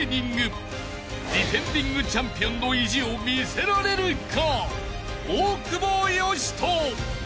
［ディフェンディングチャンピオンの意地を見せられるか？］